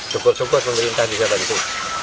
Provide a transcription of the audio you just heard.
syukur syukur pemerintah bisa bantu